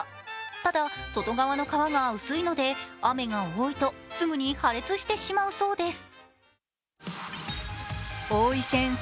ただ、外側の皮が薄いので雨が多いとすぐに破裂してしまうそうです。